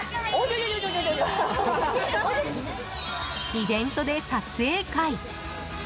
イベントで撮影会！